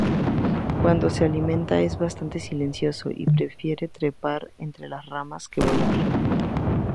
Cuando se alimenta, es bastante silencioso, y prefiere trepar entre las ramas que volar.